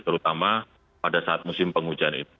terutama pada saat musim penghujan itu